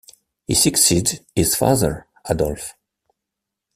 He succeeded his father, Adolphe.